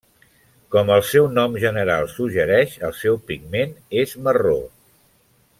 Com el seu nom general suggereix el seu pigment és marró.